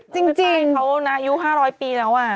จริงเขาอายุ๕๐๐ปีแล้ว